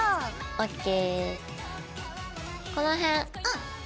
ＯＫ。